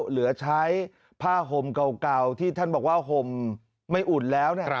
เหลือใช้ผ้าห่มเก่าที่ท่านบอกว่าห่มไม่อุ่นแล้ว